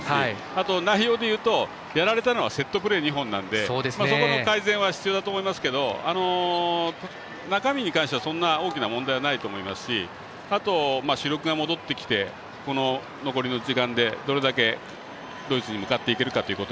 あと内容でいうとやられたのはセットプレー２本なのでそこの改善は必要だと思いますけど中身に関しては大きな問題はないと思いますしあと、主力が戻ってきて残りの時間でどれだけドイツに向かっていけるか。